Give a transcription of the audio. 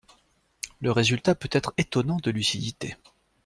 Le résultat peut être étonnant de lucidité.